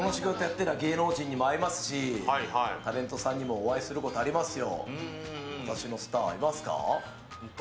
てりゃ芸能人に会いますしタレントさんにもお会いすることありますよ。